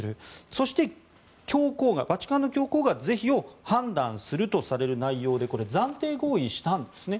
そして、バチカンの教皇が是非を判断するとされる内容で暫定合意したんですね。